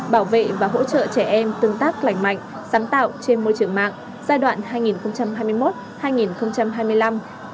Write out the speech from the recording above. bảo vệ và hỗ trợ trẻ em tương tác lành mạnh sáng tạo trên môi trường mạng giai đoạn hai nghìn hai mươi một hai nghìn hai mươi năm